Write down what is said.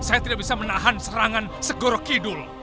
saya tidak bisa menahan serangan segorokidul